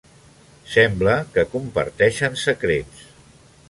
Sembla que comparteixen secrets.